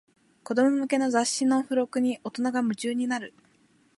子供向けの雑誌の付録に大人が夢中になる